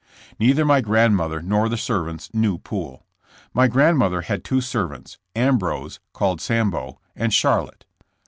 Neither my grand mother nor the servants knew Poole. My grand mother had two servants, Ambrose, called "Sambo," and Charlotte.